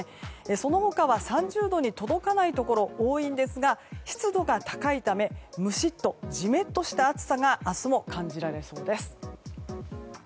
その他は３０度に届かないところが多いんですが湿度が高いためムシッと、ジメッとした暑さが明日も感じられそうです。